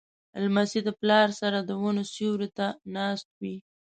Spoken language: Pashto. لمسی د پلار سره د ونو سیوري ته ناست وي.